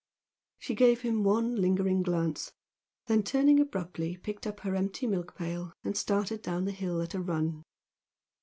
She gave him one lingering glance; then, turning abruptly picked up her empty milk pail and started down the hill at a run.